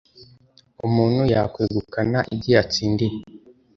Umuntu yakwegukana ibyoyatsindiye.